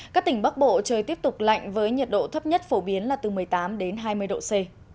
các tỉnh bắc bộ trời tiếp tục lạnh với nhiệt độ thấp nhất phổ biến là từ một mươi tám đến hai mươi độ c